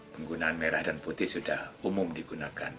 penggunaan merah dan putih sudah umum digunakan